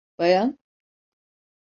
Bayan?